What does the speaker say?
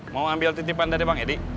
mau ambil titipan dari bank edy